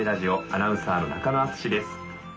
アナウンサーの中野淳です。